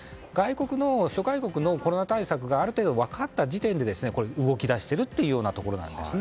諸外国のコロナ対策がある程度、分かった時点で動き出してるというようなところなんですね。